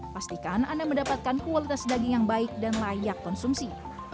pastikan anda mendapatkan kualitas daging yang baik dan layak konsumsi